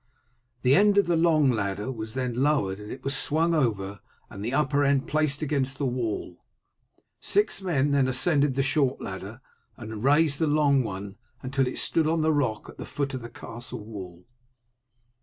The end of the long ladder was then lowered, and it was swung over and the upper end placed against the wall. Six men then ascended the short ladder, and raised the long one until it stood on the rock at the foot of the castle wall.